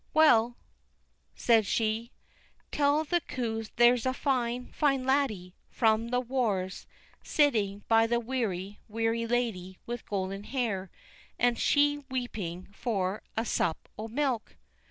"Well," said she, "tell the coo there's a fine, fine laddie from the wars sitting by the weary, weary lady with golden hair, and she weeping for a sup o' milk."